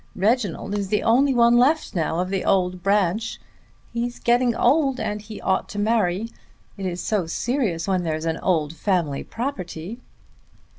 Reginald is the only one left now of the old branch. He's getting old and he ought to marry. It is so serious when there's an old family property."